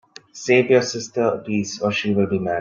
Save you sister a piece, or she will be mad.